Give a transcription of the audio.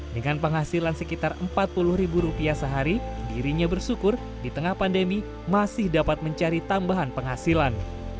dengan penghasilan sekitar empat puluh ribu rupiah sehari dirinya bersyukur di tengah pandemi masih dapat mencari tambahan penghasilan